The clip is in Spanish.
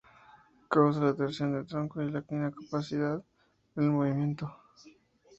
Causa la torsión de tronco y la incapacidad del movimiento.